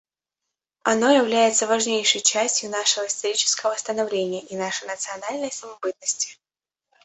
Оно является важнейшей частью нашего исторического становления и нашей национальной самобытности.